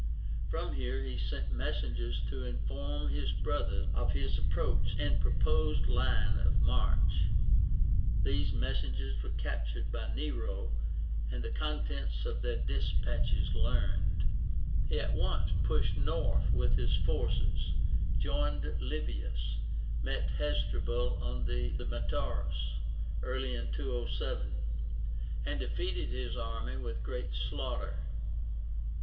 From here he sent messengers to inform his brother of his approach and proposed line of march. These messengers were captured by Nero, and the contents of their despatches learned. He at once pushed north with his forces, joined Livius, met Hasdrubal on the METAURUS early in 207, and defeated his army with great slaughter.